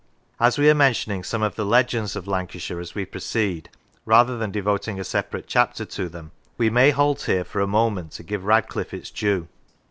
As we are mentioning some of the legends of Lancashire as we proceed, rather than devoting a separate chapter to them, we may halt here for a moment to give Radcliffe its due.